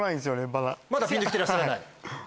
まだピンときてらっしゃらない？